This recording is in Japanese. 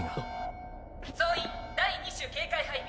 ビィー！総員第二種警戒配備。